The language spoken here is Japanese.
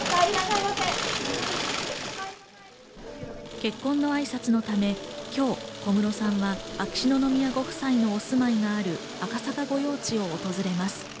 結婚の挨拶のため、今日小室さんは秋篠宮ご夫妻の御住まいがある赤坂御用地を訪れます。